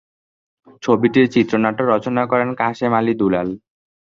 ছবিটির চিত্রনাট্য রচনা করেন কাশেম আলী দুলাল।